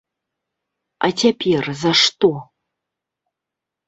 А цяпер за што?